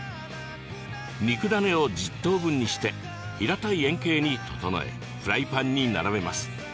肉ダネを１０等分にして平たい円形に整えフライパンに並べます。